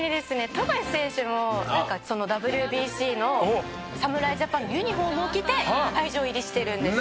富樫選手もＷＢＣの侍ジャパンのユニホームを着て会場入りしているんですよ。